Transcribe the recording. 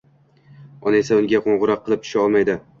ona esa unga qo‘ng‘iroq qilib tusha olmaydi.